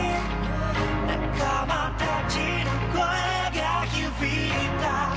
「仲間たちの声が響いた」